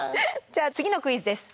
じゃあ次のクイズです。